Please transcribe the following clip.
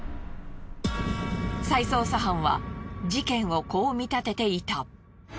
再捜査班は事件をこう見立てていた。